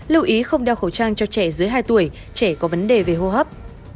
lưu ý không đeo khẩu trang cho trẻ dưới hai tuổi trẻ có vấn đề về hô hấp